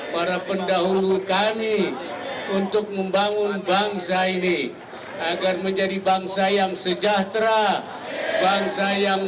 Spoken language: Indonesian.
para pendahulu kami untuk membangun bangsa ini agar menjadi bangsa yang sejahtera bangsa yang